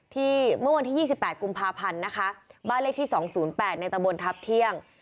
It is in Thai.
เมื่อวันที่๒๘กุมภาพันธ์นะคะบ้านเลขที่๒๐๘ในตะบนทัพเที่ยง